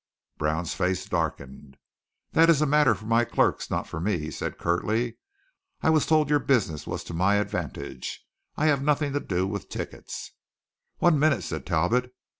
Brown's face darkened. "That is a matter for my clerks, not for me," he said curtly. "I was told your business was to my advantage. I have nothing to do with tickets." "One minute," said Talbot.